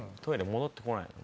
戻ってこないの？